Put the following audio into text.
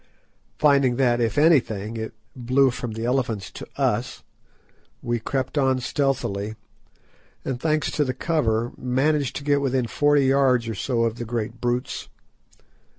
Finding that, if anything, it blew from the elephants to us, we crept on stealthily, and thanks to the cover managed to get within forty yards or so of the great brutes.